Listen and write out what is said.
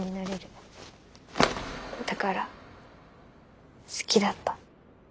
だから好きだった。